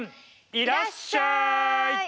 「いらっしゃい！」。